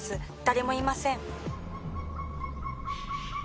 「誰もいません」